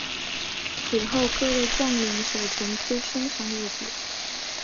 此后各位将领守臣皆升赏有别。